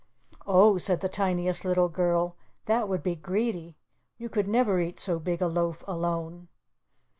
"Oh," said the Tiniest Little Girl, "that would be greedy. You could never eat so big a loaf alone."